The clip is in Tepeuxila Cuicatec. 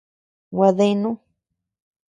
Gua deanu.